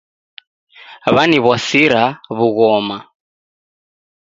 W'aniw'asira w'ughoma